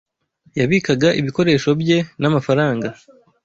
yabikaga ibikoresho bye n’amafaranga